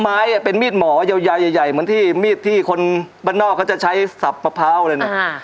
ไม้เป็นมีดหมอยาวใหญ่เหมือนที่มีดที่คนบ้านนอกเขาจะใช้สับมะพร้าวเลยนะ